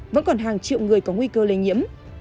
vẫn còn hàng triệu người có nguy cơ lây nhiễm